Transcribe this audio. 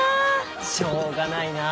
しょうがないなあ。